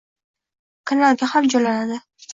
kanalga ham joylanadi.